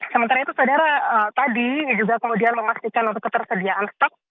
sementara itu saudara tadi juga kemudian memastikan untuk ketersediaan stok